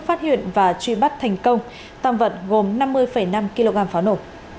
phát hiện và truy bắt thành công tạm vận gồm năm mươi năm kg pháo nổ